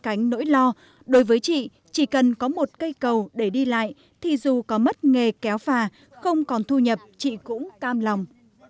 trong cánh nỗi lo đối với chị chỉ cần có một cây cầu để đi lại thì dù có mất nghề kéo phà không còn thu nhập chị cũng cam lòng